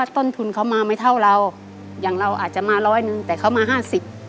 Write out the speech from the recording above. ต้นทุนเขามาไม่เท่าเราอย่างเราอาจจะมาร้อยหนึ่งแต่เขามาห้าสิบ